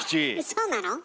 そうなの？